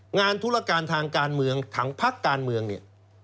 ธุรการทางการเมืองถังพักการเมืองเนี่ย